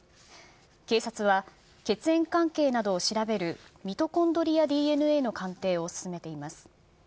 警察は、血縁関係などを調べるミトコンドリアＤＮＡの鑑定を進めています。